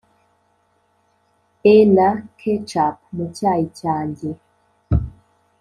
e na ketchup mu cyayi cyanjye